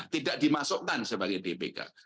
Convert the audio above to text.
tidak dimasukkan sebagai dpk